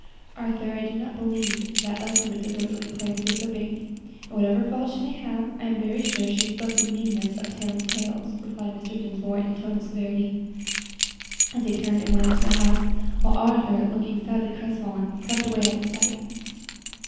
"Arthur, I do not believe that Elsie would deliberately plan to disobey me; and whatever faults she may have, I am very sure she is above the meanness of telling tales," replied Mr. Dinsmore, in a tone of severity, as he turned and went into the house, while Arthur, looking sadly crestfallen, crept away out of sight.